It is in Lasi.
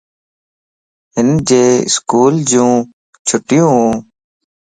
ھنجي اسڪولَ جون چھٽيون وَن